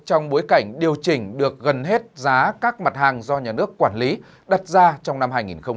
trong bối cảnh điều chỉnh được gần hết giá các mặt hàng do nhà nước quản lý đặt ra trong năm hai nghìn một mươi chín